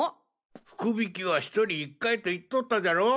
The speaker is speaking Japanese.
福引は１人１回と言っとったじゃろ？